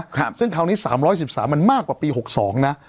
ครับซึ่งคราวนี้สามร้อยสิบสามมันมากกว่าปีหกสองนะ